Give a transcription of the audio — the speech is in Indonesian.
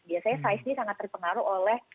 biasanya size ini sangat terpengaruh oleh musim